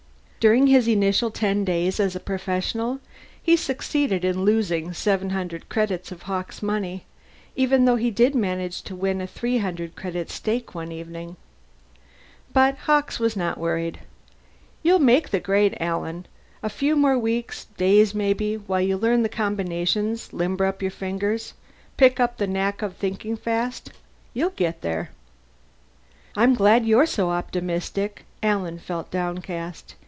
During his initial ten days as a professional, he succeeded in losing seven hundred credits of Hawkes' money, even though he did manage to win a three hundred credit stake one evening. But Hawkes was not worried. "You'll make the grade, Alan. A few more weeks, days maybe, while you learn the combinations, limber up your fingers, pick up the knack of thinking fast you'll get there." "I'm glad you're so optimistic." Alan felt downcast.